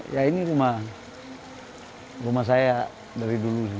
ya ini rumah saya dari dulu